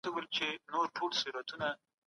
سياستپوه به نوې لاره ومومي.